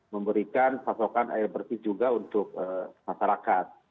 memberikan pasokan air bersih juga untuk masyarakat